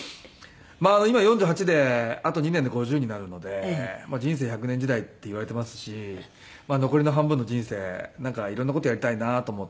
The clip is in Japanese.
まあ今４８であと２年で５０になるのでまあ人生１００年時代っていわれていますし残りの半分の人生なんか色んな事やりたいなと思って。